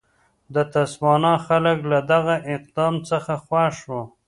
د تسوانا خلک له دغه اقدام څخه خوښ وو.